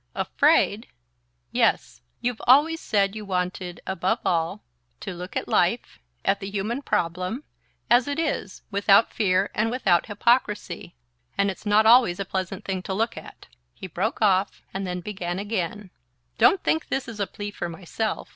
"Afraid?" "Yes. You've always said you wanted, above all, to look at life, at the human problem, as it is, without fear and without hypocrisy; and it's not always a pleasant thing to look at." He broke off, and then began again: "Don't think this a plea for myself!